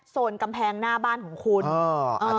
นกำแพงหน้าบ้านของคุณ